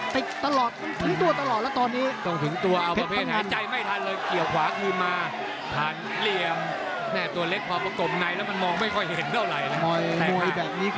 ปลายเนี่ยเอาไปยังไงหักตรงนี้